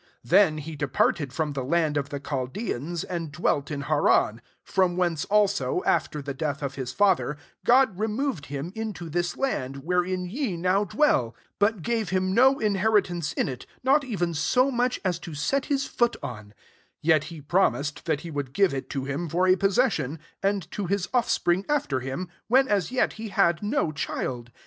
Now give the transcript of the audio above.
4 Then he depart ed from the land of the Chal deans, and dwelt in Haran; from whence also, after the death of his father, God remov ed him into this land, wherein ye now dwell ; 6 but gave him no inheritance in it, not even «o much aa to set his foot on : yet he promised that he would give it to him for a possession, and to his offspring after him, when a« yet he had no child.